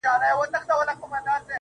ما يې توبه د کور ومخته په کوڅه کي وکړه~